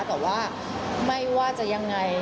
แต่ว่าไม่ว่าจะยังไง